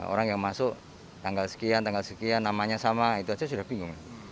orang yang masuk tanggal sekian tanggal sekian namanya sama itu saja sudah bingung